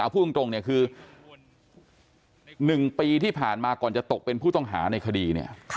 พูดตรงเนี่ยคือ๑ปีที่ผ่านมาก่อนจะตกเป็นผู้ต้องหาในคดีเนี่ย